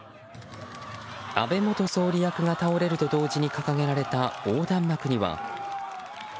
安倍元総理役が倒れると同時に掲げられた横断幕には。